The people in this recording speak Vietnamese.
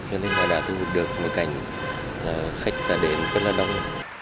cho nên họ đã thu hút được một cảnh khách đã đến rất là đông